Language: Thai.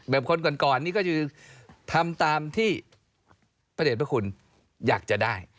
คนก่อนนี่ก็จะทำตามที่พระเด็จพระคุณอยากจะได้